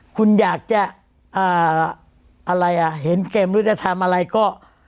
คุณอยากจะเห็นแก่มรุธธรรมอะไรก็